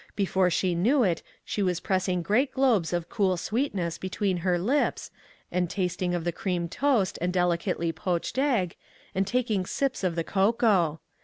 Before she knew it, she was pressing great globes of cool sweetness between her lips, and tasting of the cream toast and delicately poached egg, and taking sips of the cocoa.